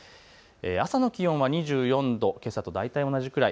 朝の気温は２４度、けさと大体同じくらい。